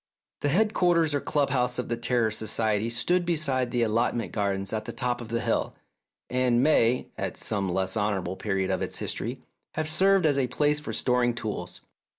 The headquarters or club house of the Terror Society stood beside the allotment gardens at the top of the hill, and may, at some less honourable period of its history, have served as a place for storing tools.